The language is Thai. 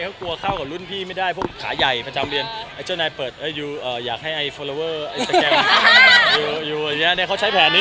เราถามทำไมจะดังขนาดนี้พี่